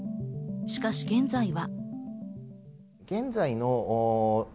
しかし現在は。